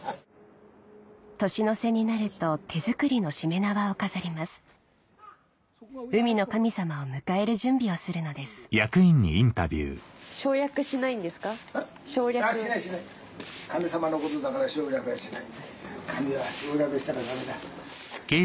年の瀬になると手作りのしめ縄を飾ります海の神様を迎える準備をするのですあぁしないしない。